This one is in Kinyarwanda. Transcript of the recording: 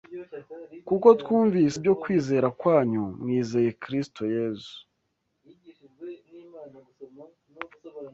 Kuko twumvise ibyo kwizera kwanyu mwizeye Kristo Yesu